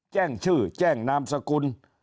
แจ้งชื่อแจ้งนามสกุล